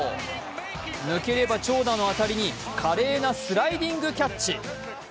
抜ければ長打の当たりに華麗なスライディングキャッチ。